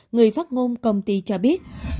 người phát ngôn công ty cho biết